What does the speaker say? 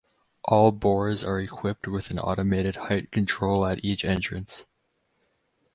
All bores are equipped with an automated height control at each entrance.